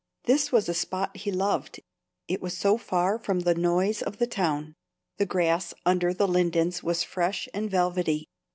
This was a spot he loved, it was so far from the noise of the town. The grass under the lindens was fresh and velvety.